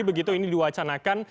begitu ini diwacanakan